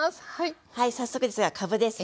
はい早速ですがかぶですね。